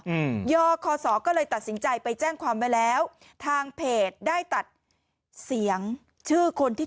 อืมยอคอสอก็เลยตัดสินใจไปแจ้งความไว้แล้วทางเพจได้ตัดเสียงชื่อคนที่